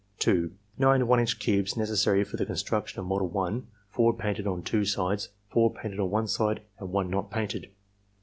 (2) Nine 1 inch cubes necessary for the construction of model 1, four painted on two sides, four painted on one side, and one not painted.